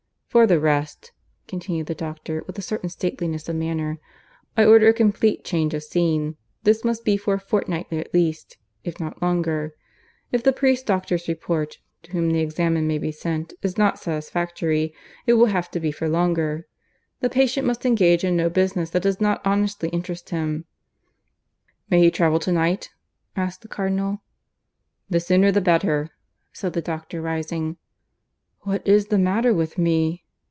"For the rest," continued the doctor, with a certain stateliness of manner, "I order a complete change of scene. This must be for a fortnight at least, if not longer. If the priest doctor's report to whom the Examen may be sent is not satisfactory, it will have to be for longer. The patient must engage in no business that does not honestly interest him." "May he travel to night?" asked the Cardinal. "The sooner the better," said the doctor, rising. "What is the matter with me?"